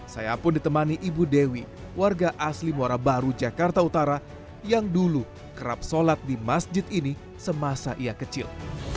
saya pun ditemani ibu dewi warga asli muara baru jakarta utara yang dulu kerap sholat di masjid ini semasa ia kecil